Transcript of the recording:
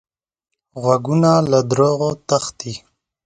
غوږونه له دروغو تښتي